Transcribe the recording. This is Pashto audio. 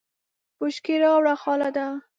بشکی راوړه خالده !